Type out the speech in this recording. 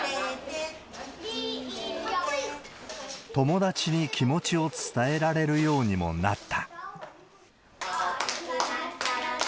友達に気持ちを伝えられるようにもなった。